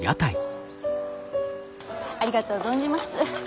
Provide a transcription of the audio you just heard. ありがとう存じます。